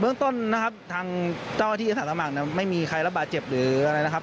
เรื่องต้นนะครับทางเจ้าที่อาสาสมัครไม่มีใครระบาดเจ็บหรืออะไรนะครับ